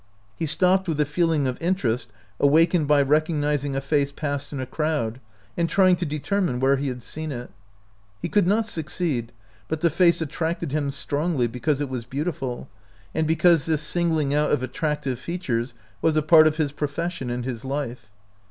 He stopped with a feeling of interest awakened by recogniz ing a face passed in a crowd and trying to determine where he had seen it. He could not succeed, but the face attracted him strongly, because it was beautiful, and be cause this singling out of attractive features was a part of his profession and his life.